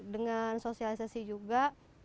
dengan sosialisasi juga